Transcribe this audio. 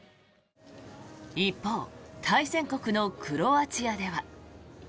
一方対戦国のクロアチアでは。